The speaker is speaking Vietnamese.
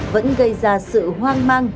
vẫn gây ra sự hoang mang